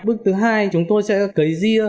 bước thứ hai chúng tôi sẽ cấy ria